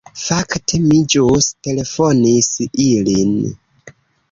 Fakte, mi ĵus telefonis ilin.